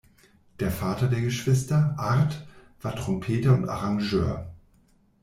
Der Vater der Geschwister, Art, war Trompeter und Arrangeur.